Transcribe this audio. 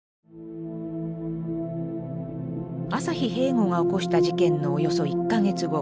朝日平吾が起こした事件のおよそ１か月後。